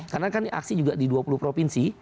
karena kan aksi juga di dua puluh provinsi